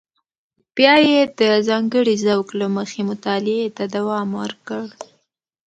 بیا یې د ځانګړي ذوق له مخې مطالعه ته دوام ورکړ.